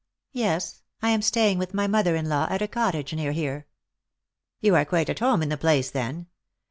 "" Yes ; I am staying with my mother in law at a cottage near here." "You are quite at home in the place, then.